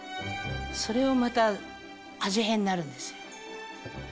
それもまた味変になるんですよ。